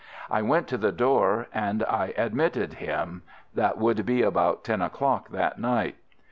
I went to the door and I admitted him. That would be about ten o'clock that night.